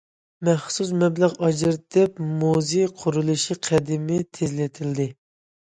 مەخسۇس مەبلەغ ئاجرىتىلىپ، مۇزېي قۇرۇلۇشى قەدىمى تېزلىتىلدى.